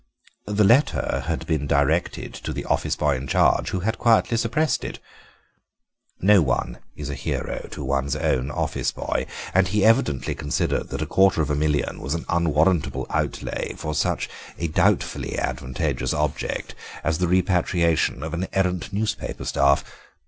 "The letter had been directed to the office boy in charge, who had quietly suppressed it. No one is a hero to one's own office boy, and he evidently considered that a quarter of a million was an unwarrantable outlay for such a doubtfully advantageous object as the repatriation of an errant newspaper staff.